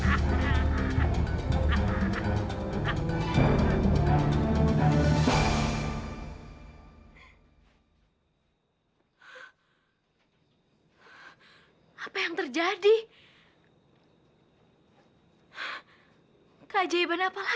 kamu sudah bisa menuju bulan ke depan